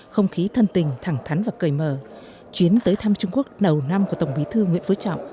không khí thân tình thẳng thắn và cởi mở chuyến tới thăm trung quốc đầu năm của tổng bí thư nguyễn phú trọng